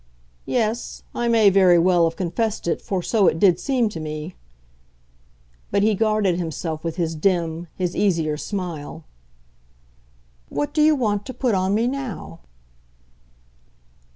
"Yes I may very well have confessed it, for so it did seem to me." But he guarded himself with his dim, his easier smile. "What do you want to put on me now?"